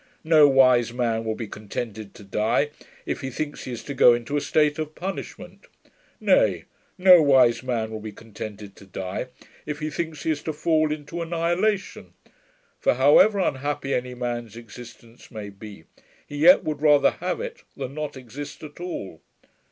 No wise man will be contented to die, if he thinks he is to go into a state of punishment. Nay, no wise man will be contented to die, if he thinks he is to fall into annihilation: for however unhappy any man's existence may be, he yet would rather have it, than not exist at all.